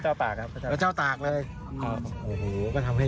เมืองจันทร์ต้อง